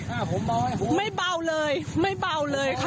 ครับผมเบาผมเบาครับมิไม่เบาเลยไม่เบาเลยค่ะ